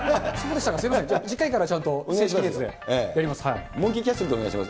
すみません、次回からちゃんとやります。